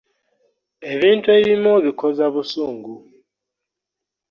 Ebintu ebimu obikoza busungu.